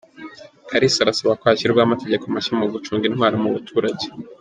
Kalisa arasaba ko hashyirwaho amategeko mashya mu gucunga intwaro mu baturage